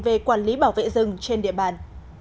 về quản lý bảo vệ rừng trên địa bàn